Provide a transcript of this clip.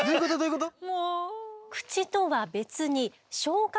口とは別に消化